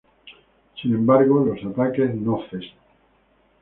Sin embargo, los ataques no cesan.